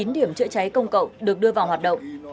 hai mươi chín điểm chữa cháy công cộng được đưa vào hoạt động